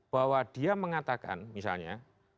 bahwa dia mengatakan misalnya